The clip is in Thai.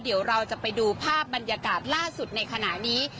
เดี๋ยวเราจะไปดูภาพบรรยากาศล่าสุดในขณะนี้